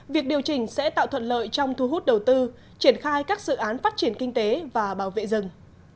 việc điều chỉnh sẽ tạo thuận lợi trong thu hút đầu tư triển khai các dự án phát triển kinh tế và bảo vệ rừng